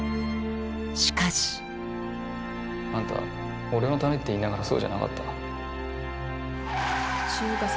しかしあんた俺のためって言いながらそうじゃなかった。